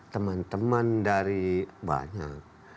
teman teman dari banyak